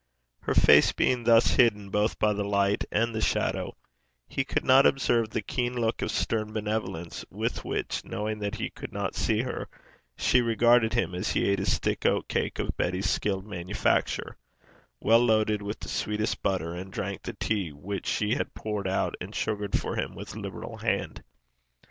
Her face being thus hidden both by the light and the shadow, he could not observe the keen look of stern benevolence with which, knowing that he could not see her, she regarded him as he ate his thick oat cake of Betty's skilled manufacture, well loaded with the sweetest butter, and drank the tea which she had poured out and sugared for him with liberal hand.